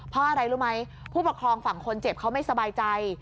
ผู้ปกครองฝั่งคนเจ็บเขาไม่สบายใจ